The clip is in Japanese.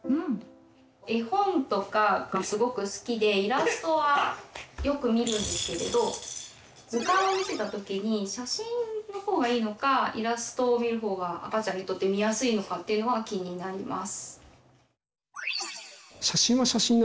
絵本とかがすごく好きでイラストはよく見るんですけれど図鑑を見せた時に写真の方がいいのかイラストを見る方が赤ちゃんにとって見やすいのかっていうのが気になります。